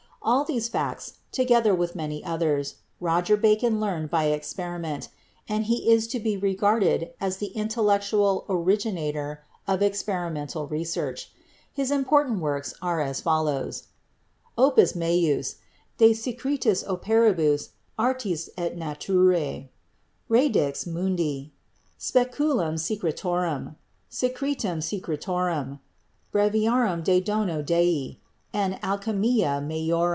All these facts, together with many others, Roger Bacon learned by experiment, and he is to be regarded as the intellectual originator of experimental research. His im portant works are as follows: "Opus Majus," "De Secre tis Operibus Artis et Naturae," "Radix Mundi," "Specu lum Secretorum," "Secretum Secretorum," "Breviarum de Dono Dei" and "Alchimia Major."